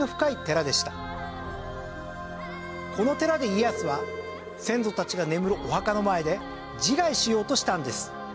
この寺で家康は先祖たちが眠るお墓の前で自害しようとしたんです。